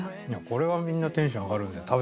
これはみんなテンション上がるんじゃない？